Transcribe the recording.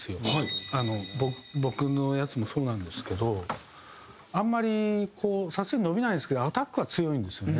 僕のやつもそうなんですけどあんまりこうサスティン伸びないんですけどアタックは強いんですよね。